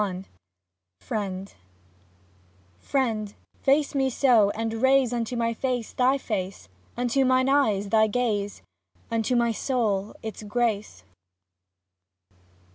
XXXI FRIEND Friend, face me so and raise Unto my face thy face, Unto mine eyes thy gaze, , Unto my soul its grace.